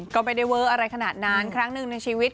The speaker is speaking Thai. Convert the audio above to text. ก็ไม่ได้เว้ออะไรขนาดนั้นครั้งหนึ่งในชีวิต